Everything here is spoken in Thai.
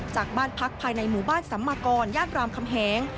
จากบ้านพักภายในหมู่บ้านสัมมากรย่านรามคำแหง